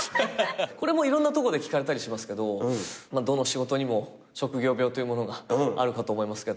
これもいろんなとこで聞かれたりしますけどどの仕事にも職業病というものがあるかと思いますけど。